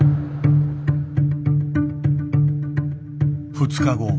２日後。